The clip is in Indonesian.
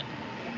selamat malam pak